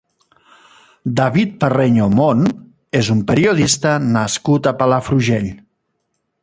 David Parreño Mont és un periodista nascut a Palafrugell.